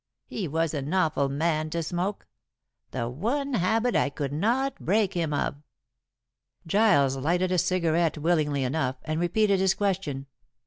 He was an awful man to smoke. The one habit I could not break him of." Giles lighted a cigarette willingly enough, and repeated his question.